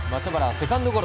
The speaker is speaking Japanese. セカンドゴロ。